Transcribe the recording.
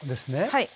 はい。